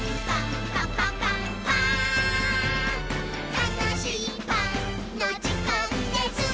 「たのしいパンのじかんです！」